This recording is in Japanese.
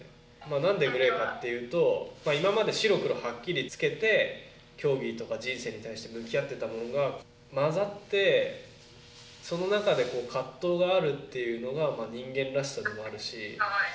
なんでグレーかというと今まで白黒はっきりつけて競技とか人生に対して向き合っていたものが混ざって、その中で葛藤があるというのが人間らしさでもあるし。